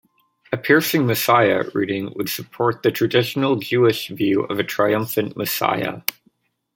A "piercing messiah" reading would support the traditional Jewish view of a triumphant messiah.